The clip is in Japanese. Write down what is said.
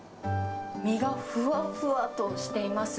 身がふわふわとしています。